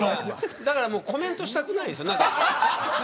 だからコメントしたくないです。